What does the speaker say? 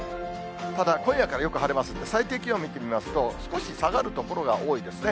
ただ、今夜からよく晴れますんで、最低気温見てみますと、少し下がる所が多いですね。